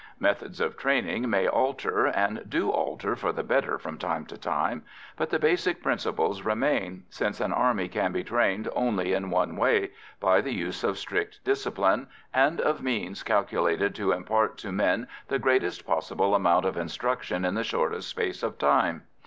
Methods of training may alter, and do alter for the better from time to time, but the basic principles remain, since an army can be trained only in one way: by the use of strict discipline and of means calculated to impart to men the greatest possible amount of instruction in the shortest space of time.